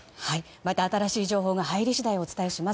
また新しい情報が入り次第お伝えします。